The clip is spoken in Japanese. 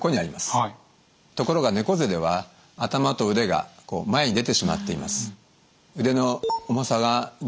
ところが猫背では頭と腕が前に出てしまっています。